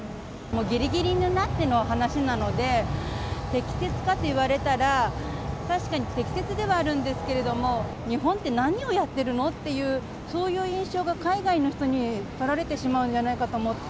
ぎりぎりになっての話なので、適切かと言われたら、確かに適切ではあるんですけども、日本って何をやってるのって、そういう印象が海外の人に取られてしまうんじゃないかと思って。